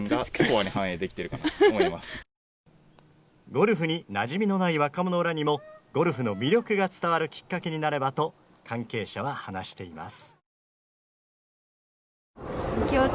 ゴルフになじみのない若者らにもゴルフの魅力が伝わるきっかけになればと関係者は話しています。